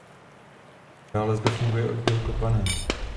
Dále zde funguje oddíl kopané.